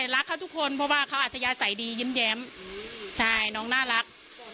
รักเขาทุกคนเพราะว่าเขาอัธยาศัยดียิ้มแย้มใช่น้องน่ารัก